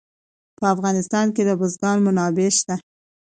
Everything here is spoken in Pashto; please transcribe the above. په افغانستان کې د بزګان منابع شته.